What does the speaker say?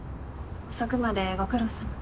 遅くまでご苦労さま。